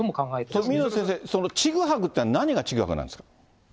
それは水野先生、ちぐはぐっていうのは何がちぐはぐなんです